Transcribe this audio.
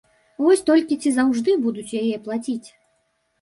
Вось толькі ці заўжды будуць яе плаціць?